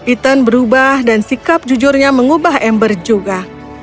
ethan berubah dan sikap jujurnya mengubah ember juga